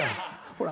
ほら。